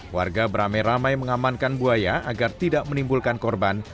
warga beramai ramai mengamankan buaya agar tidak menimbulkan korban